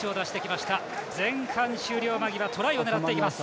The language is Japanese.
前半終了間際トライを狙ってきます。